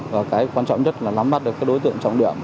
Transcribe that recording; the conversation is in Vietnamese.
và cái quan trọng nhất là nắm bắt được cái đối tượng trọng điểm